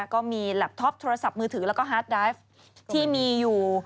ก็มีแลบท็อปโทรศัพท์มือถือแล้วก็ฮาร์ดไดฟ์ที่มีอยู่